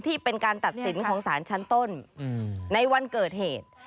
ที่เป็นการตัดสินของสารชั้นต้นในวันเกิดเหตุ